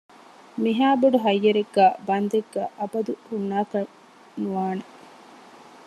މިހާ ބޮޑު ހައްޔަރެއްގައި ބަންދެއްގައި އަބަދު ހުންނާކަށް ނުވާނެ